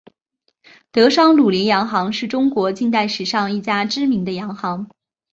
德商鲁麟洋行是中国近代史上一家知名的洋行。